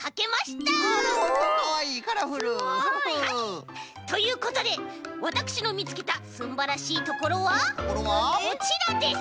はい！ということでわたくしのみつけたすんばらしいところはこちらです！